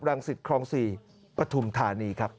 รังศิษย์ครอง๔ปฐุมฐานีครับ